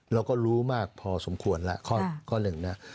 เราก็รู้มากพอสมควรล่ะข้อ๑นะ